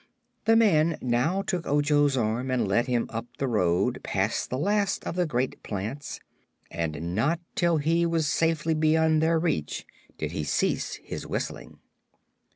The man now took Ojo's arm and led him up the road, past the last of the great plants, and not till he was safely beyond their reach did he cease his whistling.